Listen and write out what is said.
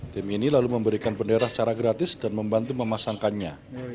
tim ini lalu memberikan bendera secara gratis dan membantu memasangkannya